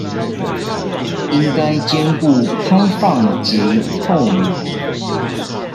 應該兼顧開放及透明